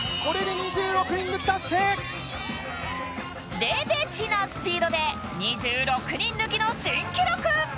レベチなスピードで２６人抜きの新記録！